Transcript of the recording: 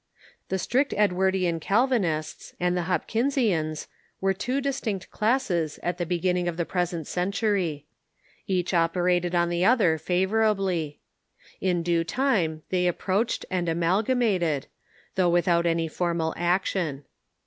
The strict Edward ean Calvinists and the Hopkinsians were two distinct classes at the beginning of the present century. Each operated on the other favorably. In due time they approached and amalga mated, though Avithout any formal action.